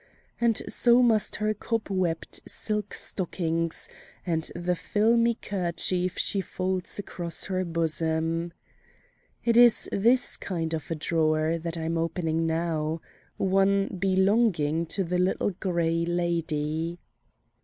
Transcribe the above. And so must her cobwebbed silk stockings and the filmy kerchief she folds across her bosom: It is this kind of a drawer that I am opening now one belonging to the Little Gray Lady.